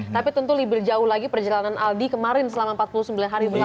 tapi tentu lebih jauh lagi perjalanan aldi kemarin selama empat puluh sembilan hari belakang